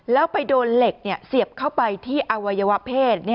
แล้วไปโดนเหล็กเสียบเข้าไปที่อวัยวะเพศ